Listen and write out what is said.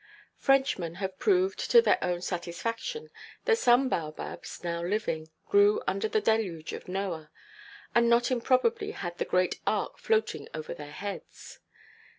Frenchmen have proved, to their own satisfaction, that some baobabs, now living, grew under the deluge of Noah, and not improbably had the great ark floating over their heads.